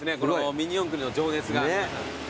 ミニ四駆の情熱が。